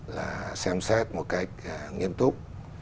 là xem xét một cách nghiêm túc